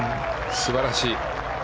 素晴らしい。